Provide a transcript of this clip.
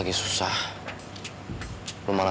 gak ada yang mau nanya